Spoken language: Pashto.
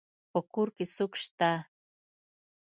په کور کي څوک سته.